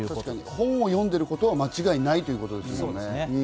本を読んでいたのは間違いないということですね。